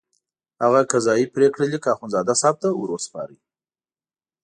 هغه قضایي پرېکړه لیک اخندزاده صاحب ته وروسپارلو.